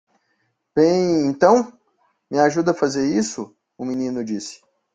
"Bem, então? me ajuda a fazer isso?" o menino disse.